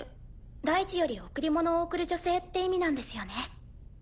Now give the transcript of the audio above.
「大地より贈り物を贈る女性」って意味なんですよね？